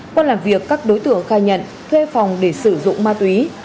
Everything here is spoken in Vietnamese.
qua làm việc các đối tượng khai nhận thuê phòng để sử dụng ma túy